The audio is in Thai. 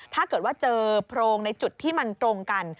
ถ้าเกิดว่าเจอโพรงในจุดที่มันตรงกัน